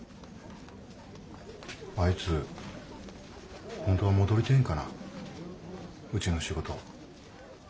あいつ本当は戻りてんかなうちの仕事。